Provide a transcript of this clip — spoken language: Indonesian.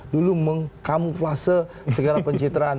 dulu mengkamuflase segala pencitraan